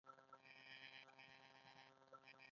لوڼي یې واده کړې وې.